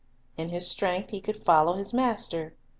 . In His strength he could follow his Master.